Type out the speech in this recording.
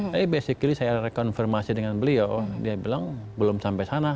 jadi basically saya reconfirmasi dengan beliau dia bilang belum sampai sana